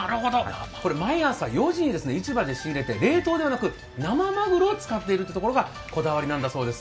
毎朝４時に仕入れて冷凍ではなく、生マグロを使っているところがこだわりなんだそうです。